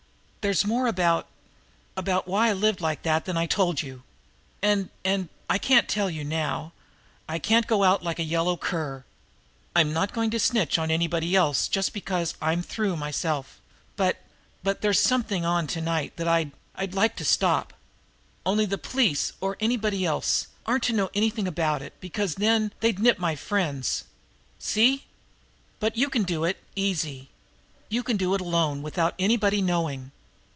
"There's more about about why I lived like that than I told you. And and I can't tell you now I can't go out like a yellow cur I'm not going to snitch on anybody else just because I'm through myself. But but there's something on to night that I'd I'd like to stop. Only the police, or anybody else, aren't to know anything about it, because then they'd nip my friends. See? But you can do it easy. You can do it alone without anybody knowing.